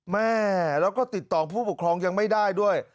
แม่แล้วก็ติดต่อผู้ปกครองยังไม่ได้ด้วย